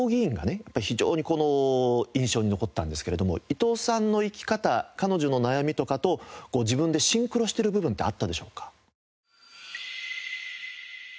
非常にこの印象に残ったんですけれども伊藤さんの生き方彼女の悩みとかと自分でシンクロしてる部分ってあったでしょうか？